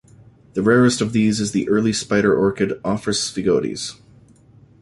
The rarest of these is the early spider orchid "Ophrys sphegodes".